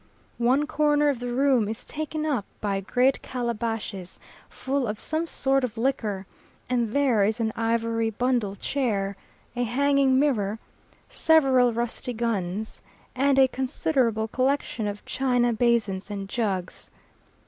One corner of the room is taken up by great calabashes full of some sort of liquor, and there is an ivory bundle chair, a hanging mirror, several rusty guns, and a considerable collection of china basins and jugs.